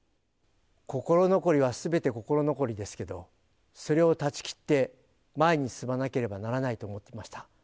心残りはすべて心残りですけど、それを断ち切って、前に進まなければならないと思ってました。